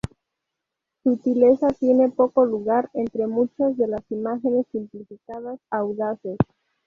Sutileza tiene poco lugar entre muchas de las imágenes simplificadas, audaces.